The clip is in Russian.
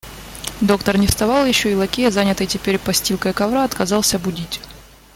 Доктор не вставал еще, и лакей, занятый теперь постилкой ковра, отказался будить.